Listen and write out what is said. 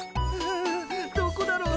んどこだろう？